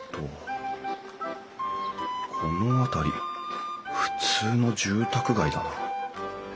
この辺り普通の住宅街だな。